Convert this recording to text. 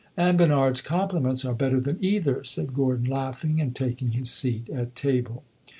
"And Bernard's compliments are better than either," said Gordon, laughing and taking his seat at table.